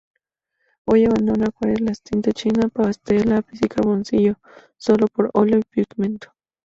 Hoy, abandona acuarelas, tinta china, pastel, lápiz y carboncillo solo por óleo y pigmento.